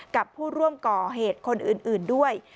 กับผู้ร่วมก่อเหตุคนอื่นด้วย